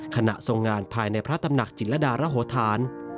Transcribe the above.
ขณะทรงงานภายในพระตำหนักจิลดารโหธาน